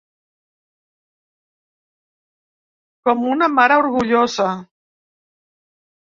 Com una mare orgullosa.